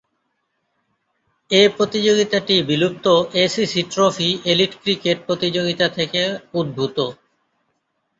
এ প্রতিযোগিতাটি বিলুপ্ত ACC trophy elite cricket প্রতিযোগিতা থেকে উদ্ভূত।